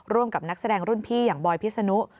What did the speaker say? ร่วมกับนักแสดงรุ่นพี่อย่างบอยพิษนุ